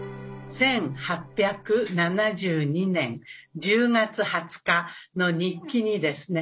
１８７２年１０月２０日の日記にですね